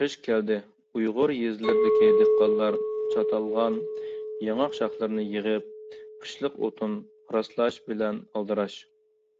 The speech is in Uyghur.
قىش كەلدى، ئۇيغۇر يېزىلىرىدىكى دېھقانلار چاتالغان ياڭاق شاخلىرىنى يىغىپ، قىشلىق ئوتۇن راسلاش بىلەن ئالدىراش.